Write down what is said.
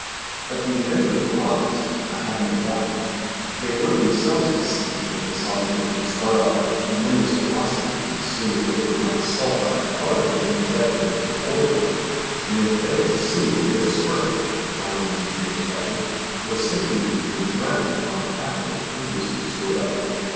That the inventors were honest I have no doubt. They PERPETUAL MOTION 69 were themselves deceived when they saw the engine start off with tremendous velocity as soon as a little bisulphide of carbon was injected into the boiler, and they failed to see that this spurt, if I may use the expression, was simply clue to a draft upon capital previously stored up.